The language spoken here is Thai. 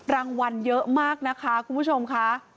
รางวัลเยอะมากนะคะคุณผู้ชมค่ะ